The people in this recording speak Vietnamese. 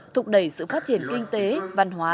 thúc đẩy sự phát triển kinh tế văn hóa